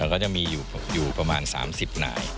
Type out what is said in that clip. ก็จะมีอยู่ประมาณ๓๐นาย